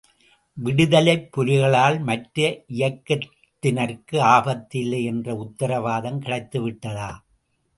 விடுதலைப்புலிகளால் மற்ற இயக்கத்தினருக்கு ஆபத்து இல்லை என்ற உத்தரவாதம் கிடைத்து விட்டதா?